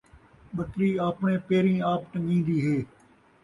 ٻکری آپݨے پیریں آپ ٹنگیندی ہے